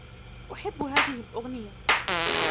أُحِبّ هذه الأغنية.